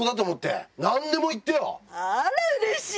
あらうれしい！